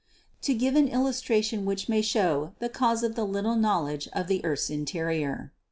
To give an illustration which may show the cause of the little knowledge of the earth's interior.